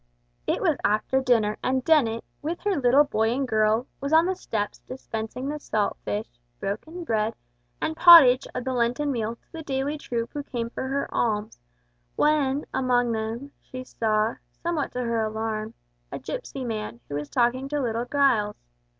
It was after dinner, and Dennet, with her little boy and girl, was on the steps dispensing the salt fish, broken bread, and pottage of the Lenten meal to the daily troop who came for her alms, when, among them, she saw, somewhat to her alarm, a gipsy man, who was talking to little Giles.